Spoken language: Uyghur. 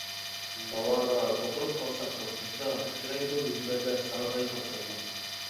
ناۋادا دوقۇرۇپ قالساق دوقمۇشتا، تىترەيدۇ يۈزلەردە سارغايغان شادلىق.